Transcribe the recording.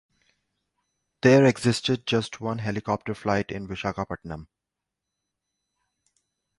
There existed just one helicopter flight in Visakhapatnam.